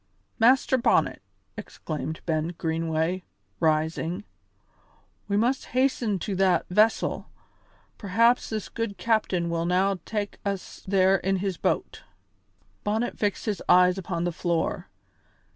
"Master Bonnet," exclaimed Ben Greenway, rising, "we must hasten to that vessel; perhaps this good captain will now tak' us there in his boat." Bonnet fixed his eyes upon the floor.